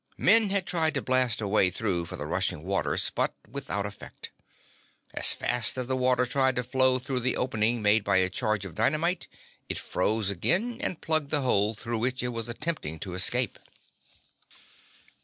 Men had tried to blast a way through for the rushing waters, but without effect. As fast as the water tried to flow through the opening made by a charge of dynamite it froze again and plugged the hole through which it was attempting to escape.